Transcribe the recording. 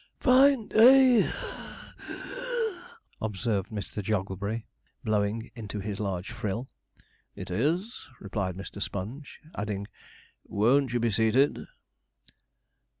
'Fine day (puff wheeze),' observed Mr. Jogglebury, blowing into his large frill. 'It is,' replied Mr. Sponge, adding, 'won't you be seated?'